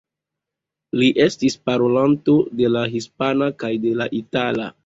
Li estis parolanto de la hispana kaj de la itala.